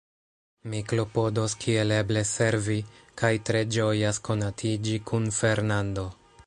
Mi klopodos kiel eble servi, kaj tre ĝojas konatiĝi kun Fernando.